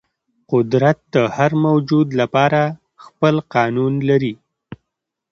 قدرت د هر موجود لپاره خپل قانون لري.